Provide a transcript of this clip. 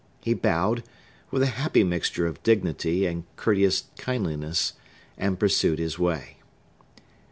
He bowed, with a happy mixture of dignity and courteous kindliness, and pursued his way.